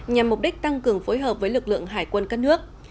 nhằm mục đích tăng cường phối hợp với lực lượng hải quân cất nước